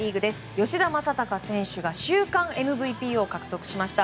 吉田正尚選手が週間ＭＶＰを獲得しました。